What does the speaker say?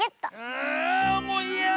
あもういやだ！